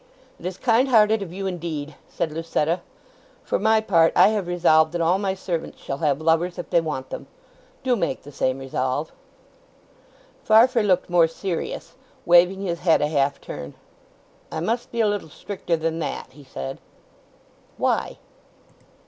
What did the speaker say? "It is kind hearted of you, indeed," said Lucetta. "For my part, I have resolved that all my servants shall have lovers if they want them! Do make the same resolve!" Farfrae looked more serious, waving his head a half turn. "I must be a little stricter than that," he said. "Why?"